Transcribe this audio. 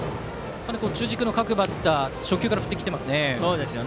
中軸の各バッター初球から振ってきていますね。